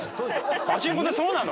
パチンコってそうなの？